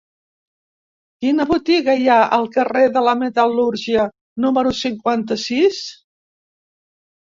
Quina botiga hi ha al carrer de la Metal·lúrgia número cinquanta-sis?